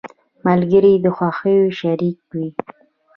ملګري د خوښیو شريک وي.